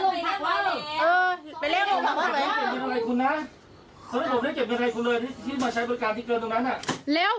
ขอให้ผมได้เก็บเก็บอะไรคุณนะขอให้ผมได้เก็บเก็บอะไรคุณเลย